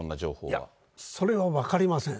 いや、それは分かりません。